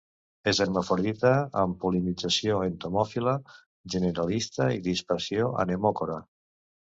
És hermafrodita, amb pol·linització entomòfila generalista i dispersió anemocora.